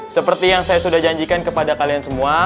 seperti yang saya sudah janjikan kepada kalian semua